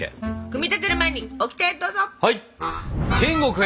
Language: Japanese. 組み立てる前にオキテどうぞ！